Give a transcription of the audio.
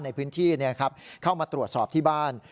ในพื้นที่เข้ามาตรวจสอบที่บ้าน